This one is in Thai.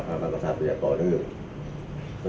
สถาบันกษัตริยะต่อด้วย